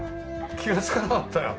気がつかなかったよ。